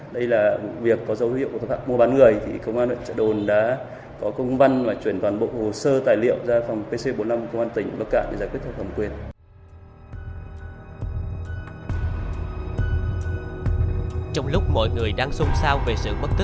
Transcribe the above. đây là việc có dấu hiệu của các bạn mua bán người